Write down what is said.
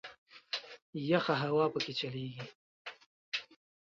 یخه هوا په کې چلیږي.